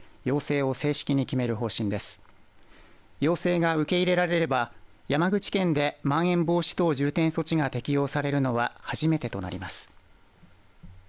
要請が受け入れられれば山口県で、まん延防止等重点措置が適用されるのは初めてとなります。